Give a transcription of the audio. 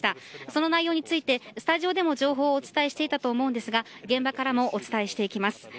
その内容についてスタジオでも情報をお伝えしていましたが現場からもお伝えしていきます。